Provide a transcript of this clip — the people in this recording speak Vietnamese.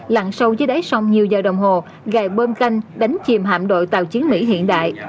lặn sâu dưới đáy sông nhiều giờ đồng hồ gầy bơm canh đánh chìm hạm đội tàu chiến mỹ hiện đại